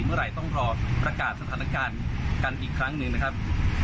เมื่อไหร่ต้องรอประกาศสถานการณ์กันอีกครั้งหนึ่งนะครับ